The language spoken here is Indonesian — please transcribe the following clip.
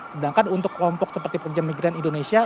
sedangkan untuk kelompok seperti pekerja migran indonesia